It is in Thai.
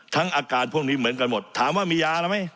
อาการพวกนี้เหมือนกันหมดถามว่ามียาแล้วไหม